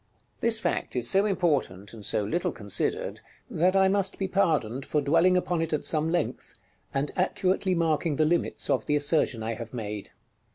§ LIV. This fact is so important, and so little considered, that I must be pardoned for dwelling upon it at some length, and accurately marking the limits of the assertion I have made.